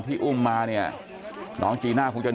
เพื่อนบ้านเจ้าหน้าที่อำรวจกู้ภัย